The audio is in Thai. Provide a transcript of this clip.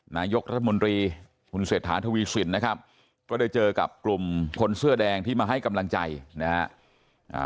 นายกรัฐมนตรีคุณเศรษฐาทวีสินนะครับก็ได้เจอกับกลุ่มคนเสื้อแดงที่มาให้กำลังใจนะฮะ